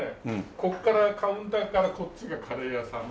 ここからカウンターからこっちがカレー屋さんで。